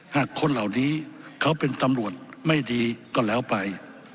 คนเหล่านี้เขาเป็นตำรวจไม่ดีก็แล้วไป